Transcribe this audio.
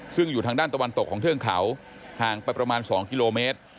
ซึ่งอยู่ทางด้านตะวันตกของเทือกเขาห่างไปประมาณ๒กิโลเมตร